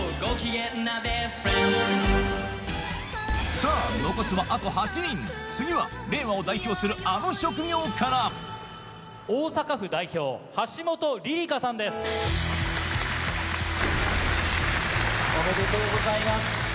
さぁ残すはあと８人次は令和を代表するあの職業からおめでとうございます。